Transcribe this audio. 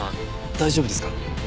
大丈夫ですか？